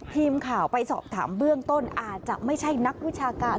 ทีมข่าวไปสอบถามเบื้องต้นอาจจะไม่ใช่นักวิชาการ